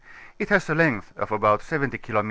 It has a length of about 70 kilom.